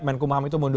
menku maham itu mundur